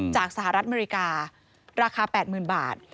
สหรัฐอเมริการาคา๘๐๐๐บาท